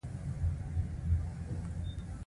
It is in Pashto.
آیا یوه قوي او مثبته روحیه نه ده؟